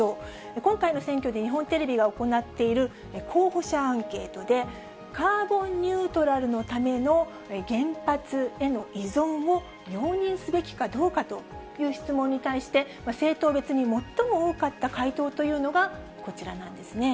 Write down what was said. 今回の選挙で日本テレビが行っている候補者アンケートで、カーボンニュートラルのための原発への依存を容認すべきかどうかという質問に対して、政党別に最も多かった回答というのが、こちらなんですね。